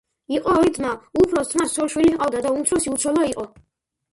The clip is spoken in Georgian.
იყო ორი ძმა. უფროს ძმას ცოლ-შვილი ჰყავდა და უმცროსი უცოლო იყო.